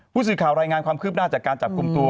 ผู้สื่อข่าวรายงานความคืบหน้าจากการจับกลุ่มตัว